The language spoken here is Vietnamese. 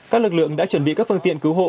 các lực lượng đã chuẩn bị các phương tiện cứu hộ